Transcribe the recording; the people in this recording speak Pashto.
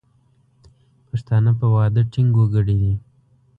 پښتانه په وعده ټینګ وګړي دي.